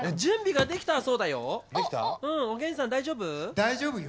大丈夫よ！